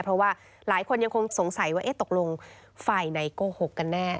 เพราะว่าหลายคนยังคงสงสัยว่าตกลงฝ่ายไหนโกหกกันแน่